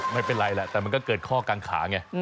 ไม่เป็นไรแหละแต่มันก็เกิดข้อกังขาไง